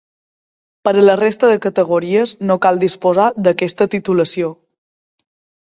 Per a la resta de categories no cal disposar d'aquesta titulació.